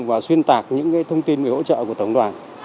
và xuyên tạc những thông tin về hỗ trợ của tổng đoàn